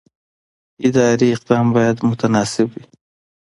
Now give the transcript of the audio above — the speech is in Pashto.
اداري اقدام باید متناسب وي.